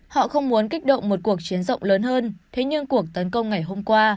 họ không muốn kích động một cuộc chiến rộng lớn hơn thế nhưng cuộc tấn công ngày hôm qua